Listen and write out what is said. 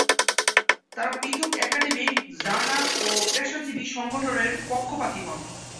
তারা পৃথক academic journal ও পেশাজীবী সংগঠনের পক্ষপাতী হন।